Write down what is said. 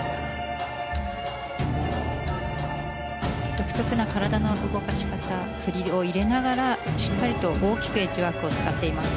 独特な体の動かし方、振りを入れながらしっかりと大きくエッジワークを使っています。